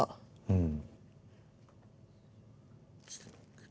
うん。